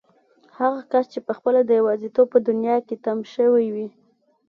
هغه کس چې پخپله د يوازيتوب په دنيا کې تم شوی وي.